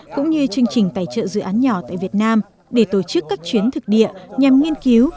cũng như chương trình tài trợ dự án nhỏ tại việt nam để tổ chức các chuyến thực địa nhằm nghiên cứu